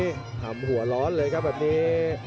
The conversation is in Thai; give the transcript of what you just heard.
ทำหัวร้อนเลยครับอันนี้